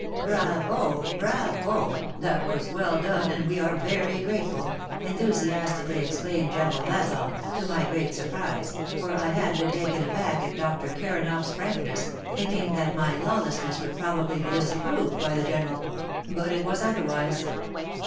" Bravo, bravo, — that was well done, and we are very grateful," enthusiastically exclaimed WAR AND WOMEN 15; General Vazoff — to my great surprise, for I had been taken aback at Dr. KiranofPs frankness, thinking that my lawlessness would probably be disapproved by the General. But it was otherwise.